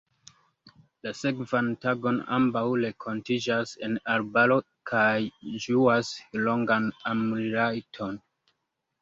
La sekvan tagon, ambaŭ renkontiĝas en arbaro kaj ĝuas longan amrilaton.